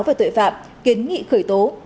về tội phạm kiến nghị khởi tố